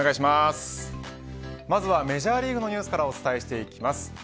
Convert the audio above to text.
まずはメジャーリーグのニュースからお伝えしていきます。